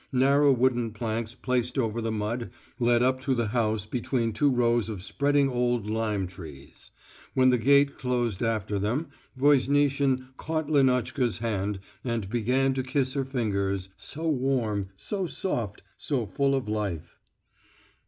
Narrow wooden planks placed over the mud led up to the house between two rows of spreading old lime trees. When the gate closed after them, Voznitsin caught Lenotchka's hand and began to kiss her fingers, so warm, so soft, so full of life.